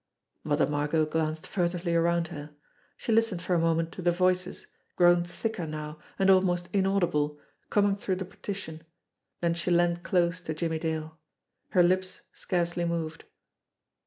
Mother Margot glanced furtively around her. She listened for a moment to the voices, grown thicker now and almost 164s JIMMIE DALE AND THE PHANTOM CLUE inaudible, coming through the partition, then she leaned close to Jimmie Dale. Her lips scarcely moved.